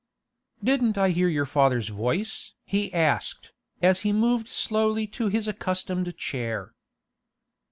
'Didn't I hear your father's voice?' he asked, as he moved slowly to his accustomed chair.